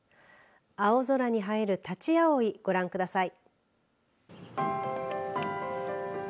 青空に映えるタチアオイ、ご覧ください。